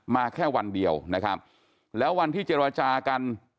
แค่วันเดียวนะครับแล้ววันที่เจรจากัน